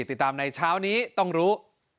ติดตามในเช้านี้ต้องรู้